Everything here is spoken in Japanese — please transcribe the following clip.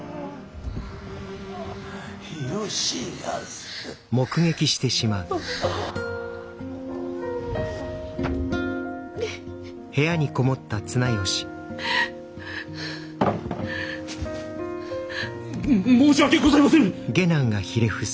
吉保。も申し訳ございませぬ！